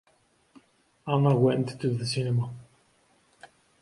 Servicemen and women could attend the club free of charge.